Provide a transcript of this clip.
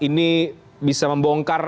ini bisa membongkar